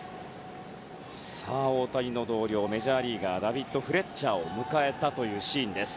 大谷の同僚メジャーリーガーダビッド・フレッチャーを迎えたシーンです。